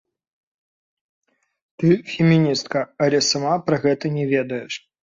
Ты феміністка, але сама пра гэта не ведаеш!